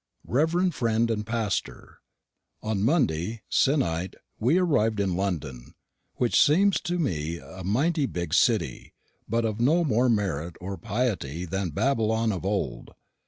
"REVERED FRIEND AND PASTOR, On Monday sennite we arriv'd in London, wich seems to me a mighty bigg citty, but of no more meritt or piety than Babylon of old.